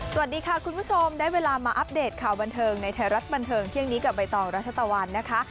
สวัสดีค่ะคุณผู้ชมได้เวลามาอัปเดตข่าวบันเทิงในไทยรัฐบันเทิงเที่ยงนี้กับใบตองรัชตะวันนะคะ